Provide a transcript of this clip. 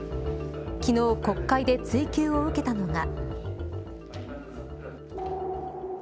昨日、国会で追及を受けたのが。